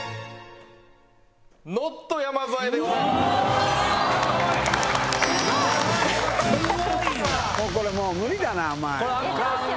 ＮＯＴ山添でございます。